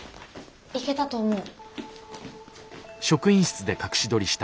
いけたと思う。